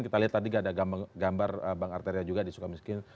kita lihat tadi ada gambar bang arteria juga di sukamiskin